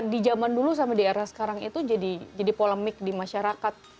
di zaman dulu sama di era sekarang itu jadi polemik di masyarakat